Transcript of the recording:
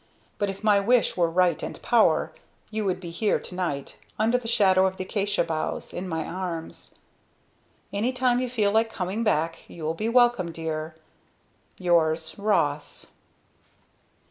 But if my wish were right and power, you would be here to night, under the shadow of the acacia boughs in my arms! "Any time you feel like coming back you will be welcome, Dear. "Yours, Ross."